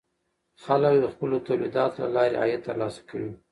خلک د خپلو تولیداتو له لارې عاید ترلاسه کوي.